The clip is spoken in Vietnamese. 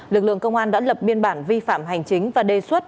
lực lượng công an đã lập biên bản vi phạm hành chính và đề xuất